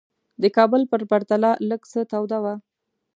د کابل په پرتله لږ څه توده وه.